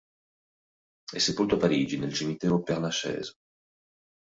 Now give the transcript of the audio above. È sepolto a Parigi, nel cimitero di Père-Lachaise.